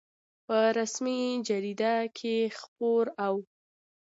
په رسمي جریده کې خپور او